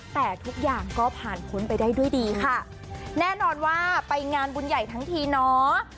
แต่ทุกอย่างก็ผ่านพ้นไปได้ด้วยดีค่ะแน่นอนว่าไปงานบุญใหญ่ทั้งทีเนาะ